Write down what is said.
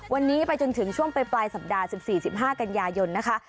วันนี้ไปจนถึงช่วงปลายปลายสัปดาห์สิบสี่สิบห้ากันยายนนะคะ